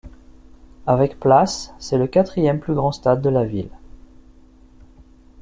Avec places, c'est le quatrième plus grand stade de la ville.